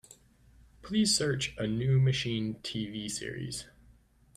Please search A New Machine TV series.